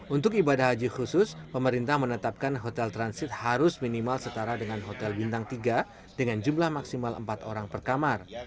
untuk ibadah haji khusus pemerintah menetapkan hotel transit harus minimal setara dengan hotel bintang tiga dengan jumlah maksimal empat orang per kamar